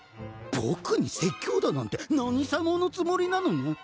僕に説教だなんて何様のつもりなのねん？